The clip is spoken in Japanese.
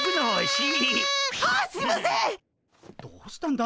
どうしたんだ？